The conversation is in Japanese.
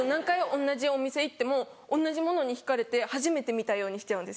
同じお店行っても同じものに引かれて初めて見たようにしちゃうんです。